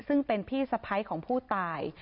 ซึ่งเป็นพี่สะพ้ายของผู้ตาย